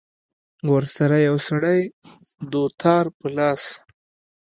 ورسره يو سړى دوتار په لاس.